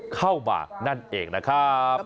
เข้ามานั่นเองนะครับ